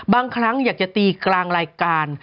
บางครั้งอยากจะตีกลางรายการ